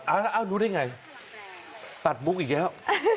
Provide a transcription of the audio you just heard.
อ้าวดูได้อย่างไรตัดบุ๊กอีกแล้ว